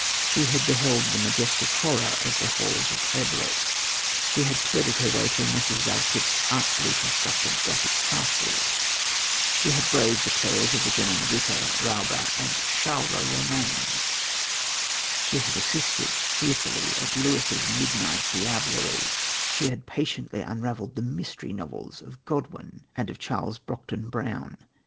She had beheld the majestic horror of the halls of Eblis; she had threaded her way through Mrs. Radcliffe's artfully constructed Gothic castles; she had braved the terrors of the German Ritter , Räuber und Schauer Romane; she had assisted, fearful, at Lewis's midnight diablerie; she had patiently unravelled the "mystery" novels of Godwin and of Charles Brockden Brown.